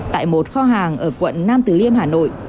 tại một kho hàng ở quận nam tử liêm hà nội